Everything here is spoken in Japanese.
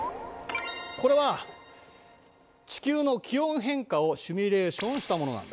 これは地球の気温変化をシミュレーションしたものなんだ。